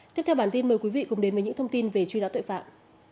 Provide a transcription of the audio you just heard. tiếp theo bản tin mời quý vị cùng đến với những thông tin về truy nã tội phạm